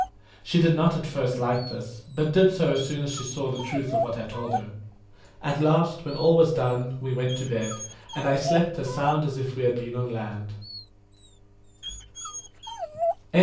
She did not at first like this, but did so as soon as she saw the truth of what I told her. At last, when all was done, we went to bed, and slept as sound as if we had been on land.